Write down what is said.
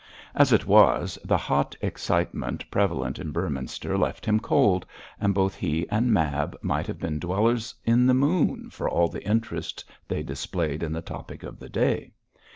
As it was, the hot excitement prevalent in Beorminster left him cold, and both he and Mab might have been dwellers in the moon for all the interest they displayed in the topic of the day.